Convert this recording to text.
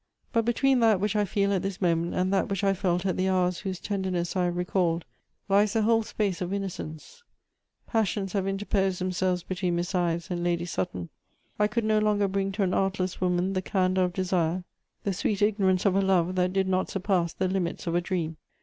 But between that which I feel at this moment and that which I felt at the hours whose tenderness I have recalled lies the whole space of innocence: passions have interposed themselves between Miss Ives and Lady Sutton. I could no longer bring to an artless woman the candour of desire, the sweet ignorance of a love that did not surpass the limits of a dream.